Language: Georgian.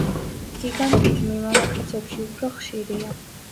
გიგანტიზმი მამაკაცებში უფრო ხშირია.